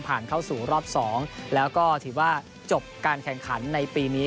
เข้าสู่รอบ๒แล้วก็ถือว่าจบการแข่งขันในปีนี้